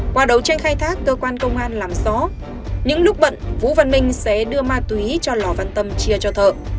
qua đấu tranh khai thác cơ quan công an làm rõ những lúc bận vũ văn minh sẽ đưa ma túy cho lò văn tâm chia cho thợ